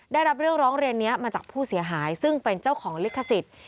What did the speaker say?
ได้รับเรื่องร้องเรียนนี้มาจากผู้เสียหายซึ่งเป็นเจ้าของลิขสิทธิ์